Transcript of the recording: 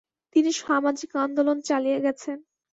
তিনি সমাজিক আন্দোলন চালিয়ে গেছেন।